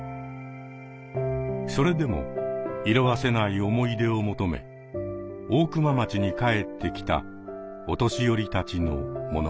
それでも色あせない思い出を求め大熊町に帰ってきたお年寄りたちの物語です。